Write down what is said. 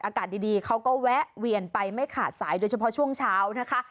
อากาศดีเขาก็แวะเวียนไปไม่ขาดสายโดยเฉพาะช่วงเช้านะคะ